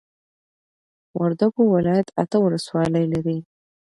وردوګو ولايت اته ولسوالۍ لري